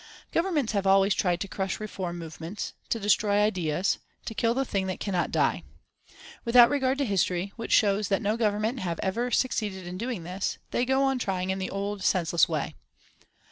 Governments have always tried to crush reform movements, to destroy ideas, to kill the thing that cannot die. Without regard to history, which shows that no Government have ever succeeded in doing this, they go on trying in the old, senseless way.